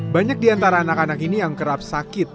banyak di antara anak anak ini yang kerap sakit